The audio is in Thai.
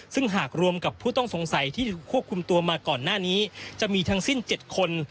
ซึ่งหากรวมกับผู้ต้องสงสัยที่ถูกควบคุมตัวมาก่อนหน้านี้จะมีทั้งสิ้น๗คน